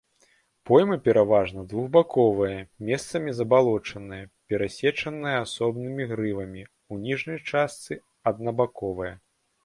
Пойма пераважна двухбаковая, месцамі забалочаная, перасечаная асобнымі грывамі, у ніжняй частцы аднабаковая.